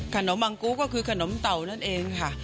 มังกูก็คือขนมเต่านั่นเองค่ะ